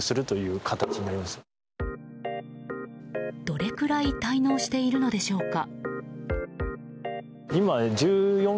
どれくらい滞納しているのでしょうか。